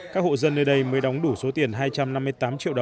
các hộ dân ở đây mất gần một cây số